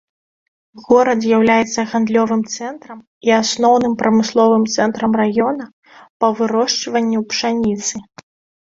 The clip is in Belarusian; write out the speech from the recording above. Горад з'яўляецца гандлёвым цэнтрам і асноўным прамысловым цэнтрам раёна па вырошчванню пшаніцы.